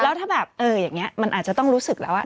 แล้วมันอาจจะต้องรู้สึกแล้วว่า